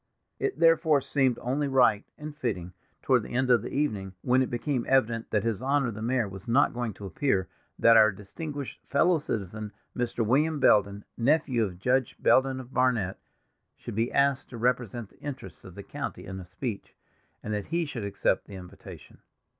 It therefore seemed only right and fitting toward the end of the evening, when it became evident that his Honor the Mayor was not going to appear, that our distinguished fellow citizen, Mr. William Belden, nephew of Judge Belden of Barnet, should be asked to represent the interests of the county in a speech, and that he should accept the invitation.